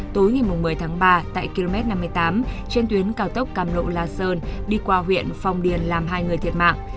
tối ngày một mươi tháng ba tại km năm mươi tám trên tuyến cao tốc cam lộ la sơn đi qua huyện phong điền làm hai người thiệt mạng